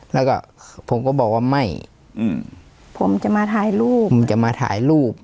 แล้วก็ผมก็บอกว่าไม่อืมผมจะมาถ่ายรูปผมจะมาถ่ายรูป